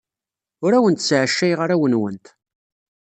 Ur awent-sɛacayeɣ arraw-nwent.